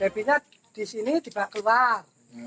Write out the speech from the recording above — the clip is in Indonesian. bebinya di sini tidak keluar